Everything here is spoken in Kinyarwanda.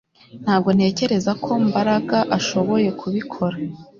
Ntabwo ntekereza ko Mbaraga ashoboye kubikora